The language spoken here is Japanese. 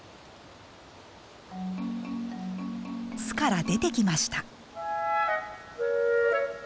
巣から出てきました。